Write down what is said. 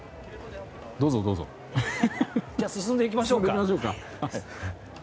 進んでいきましょうか。